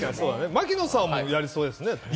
槙野さんもやりそうですね。